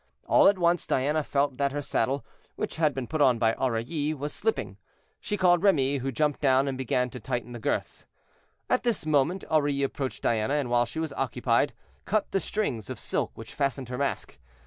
All at once Diana felt that her saddle, which had been put on by Aurilly, was slipping. She called Remy, who jumped down, and began to tighten the girths. At this moment Aurilly approached Diana, and while she was occupied, cut the strings of silk which fastened her mask.